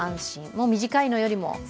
もう、短いのよりも。